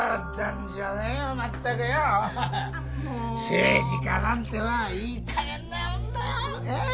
政治家なんてのはいい加減なもんだよ。え？